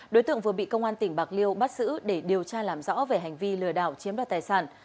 đối tượng vừa bị công an tỉnh bạc liêu bắt giữ để điều tra làm rõ về hành vi lừa đảo chiếm đoạt tài sản